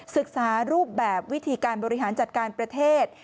ศึกษารูปแบบวิธีการบริหารจัดการประเทศ